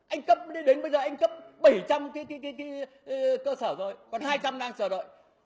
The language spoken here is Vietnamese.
anh cấp đi đến bây giờ anh cấp bảy trăm linh cái cơ sở rồi còn hai trăm linh đang chờ đợi